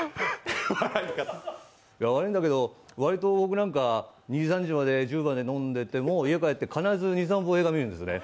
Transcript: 悪いんだけど、わりと、２時３時まで飲んでてももう家帰って、必ず２３本映画見るんですよね。